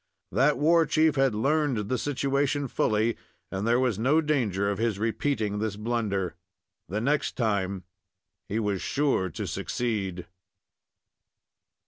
That war chief had learned the situation fully, and there was no danger of his repeating this blunder. The next time he was sure to succeed.